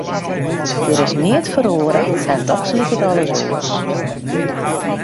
Der is neat feroare en dochs liket alles oars.